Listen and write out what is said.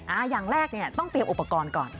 อย่างแรกเนี่ยต้องเตรียมอุปกรณ์ก่อน